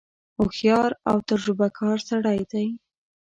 هوښیار او تجربه کار سړی دی.